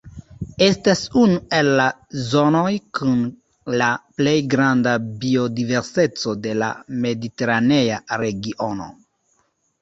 Estas unu el la zonoj kun la plej granda biodiverseco de la mediteranea regiono.